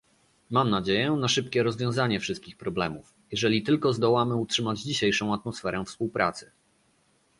Mam nadzieję na szybkie rozwiązanie wszystkich problemów, jeżeli tylko zdołamy utrzymać dzisiejszą atmosferę współpracy